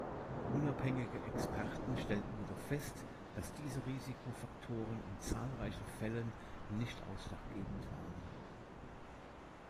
Unabhängige Experten stellten jedoch fest, dass diese Risikofaktoren in zahlreichen Fällen nicht ausschlaggebend waren.